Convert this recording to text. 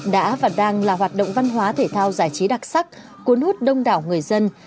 đã và đang là hoạt động văn hóa thể thao giải trí đặc sắc cuốn hút đông đảo người dân